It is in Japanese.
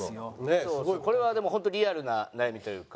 これはでもホントリアルな悩みというか。